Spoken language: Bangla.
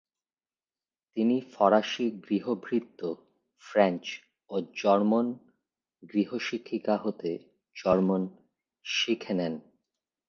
তিনি ফরাসি গৃহভৃত্য ফ্রেঞ্চ ও জর্মন গৃহশিক্ষিকা হতে জর্মন শিখে নেন।